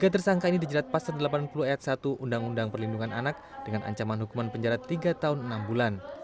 tiga tersangka ini dijerat pasal delapan puluh ayat satu undang undang perlindungan anak dengan ancaman hukuman penjara tiga tahun enam bulan